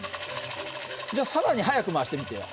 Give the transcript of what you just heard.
じゃあ更に速く回してみてよ。